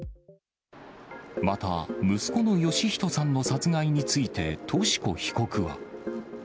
また、息子の芳人さんの殺害について、とし子被告は。